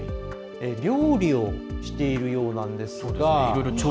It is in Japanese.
料理をしているようなんですが。